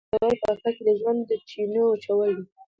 د اوبو ککړول په حقیقت کې د ژوند د چینو وچول دي.